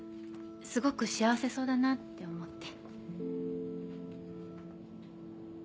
すごく幸せそうだなって思って。